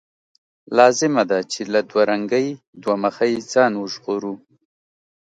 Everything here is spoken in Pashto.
لازمه ده چې له دوه رنګۍ، دوه مخۍ ځان وژغورو.